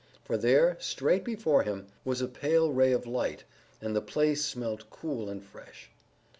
For there, straight before him, was a pale ray of light, and the place smelt cool and fresh.